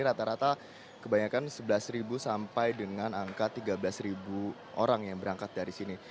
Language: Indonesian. rata rata kebanyakan sebelas sampai dengan angka tiga belas orang yang berangkat dari sini